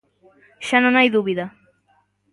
Xa non hai dúbida.